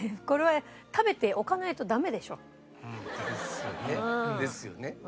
これは食べておかないとダメでしょ。ですよねですよね。